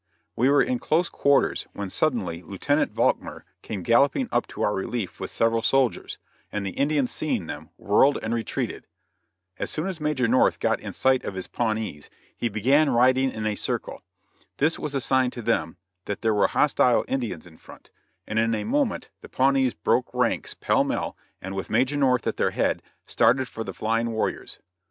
We were in close quarters, when suddenly Lieutenant Valkmar came galloping up to our relief with several soldiers, and the Indians seeing them whirled and retreated. As soon as Major North got in sight of his Pawnees, he began riding in a circle. This was a sign to them that there were hostile Indians in front, and in a moment the Pawnees broke ranks pell mell and, with Major North at their head, started for the flying warriors.